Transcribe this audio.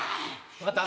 分かった？